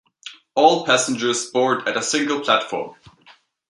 All passengers board at a single platform.